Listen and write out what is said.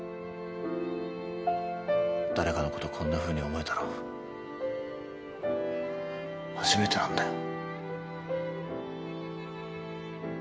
誰かのことこんなふうに思えたの初めてなんだよ。